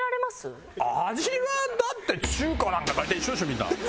味はだって中華なんか大体一緒でしょみんな。